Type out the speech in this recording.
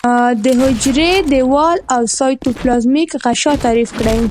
د حجروي دیوال او سایتوپلازمیک غشا تعریف کړي.